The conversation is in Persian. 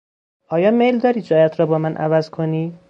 آیا میل داری جایت را با جای من عوض کنی؟